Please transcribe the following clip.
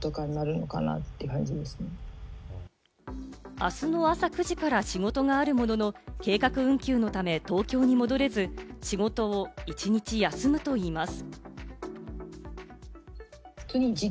あすの朝９時から仕事があるものの、計画運休のため、東京に戻れず、仕事を１日休むといいます。